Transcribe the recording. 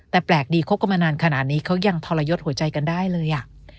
แต่แปลกดีคบกันมานานขนาดนี้เขายังทรยศหัวใจกันได้เลยอ่ะ